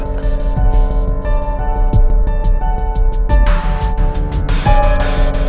sampai jumpa semuanya